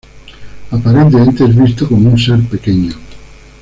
Aparentemente, es visto como un ser pequeño.